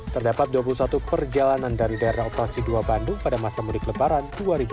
terdapat dua puluh satu perjalanan dari daerah operasi dua bandung pada masa mudik lebaran dua ribu dua puluh